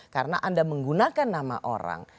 karena anda menggunakan nama orang